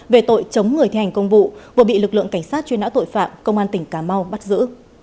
về tội chống người thi hành công vụ vừa bị lực lượng cảnh sát truy nã tội phạm công an tỉnh cà mau bắt giữ